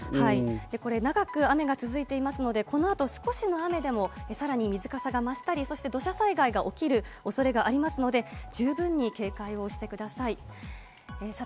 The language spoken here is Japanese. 長く雨が続いていますので、この後、少しの雨でもさらに水かさが増したり、土砂災害が起きる恐れがありますので、十分に警戒をしてください。